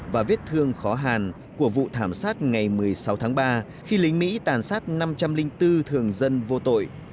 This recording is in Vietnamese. và vết thương khó hàn của vụ thảm sát ngày một mươi sáu tháng ba khi lính mỹ tàn sát năm trăm linh bốn thường dân vô tội